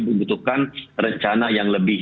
membutuhkan rencana yang lebih